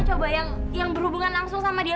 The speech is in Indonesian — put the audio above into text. coba yang berhubungan langsung sama dia